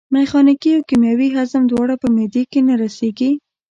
میخانیکي او کیمیاوي هضم دواړه په معدې کې نه رسېږي.